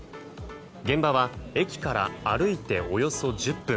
現場は駅から歩いておよそ１０分。